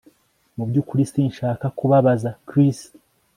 Mu byukuri sinshaka kubabaza Chris